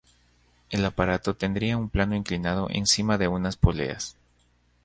El aparato tendría un plano inclinado encima de unas poleas.